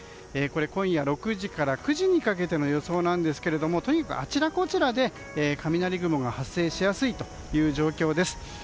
今夜６時から９時にかけての予想ですが、あちらこちらで雷雲が発生しやすいという状況です。